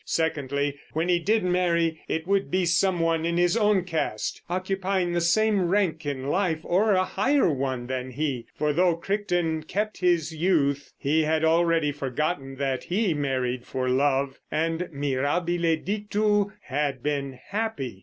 Secondly, when he did marry, it would be some one in his own cast, occupying the same rank in life or a higher one than he. For though Crichton kept his youth, he had already forgotten that he married for love, and, mirabile dictu, had been happy.